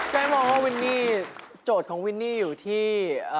มองว่าวินนี่โจทย์ของวินนี่อยู่ที่